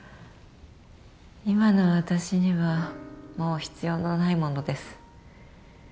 今の私にはもう必要のないものです